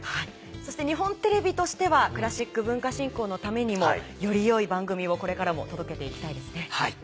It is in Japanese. そして日本テレビとしてはクラシック文化振興のためにもより良い番組をこれからも届けていきたいですね。